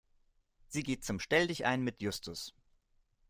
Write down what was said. Sie geht zum Stelldichein mit Justus.